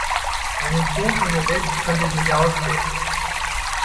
Einen Klon von mir selbst könnte ich nicht ausstehen.